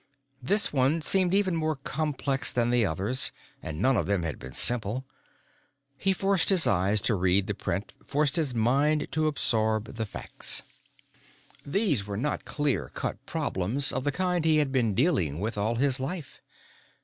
This one seemed even more complex than the others, and none of them had been simple. He forced his eyes to read the print, forced his mind to absorb the facts. These were not clear cut problems of the kind he had been dealing with all his life.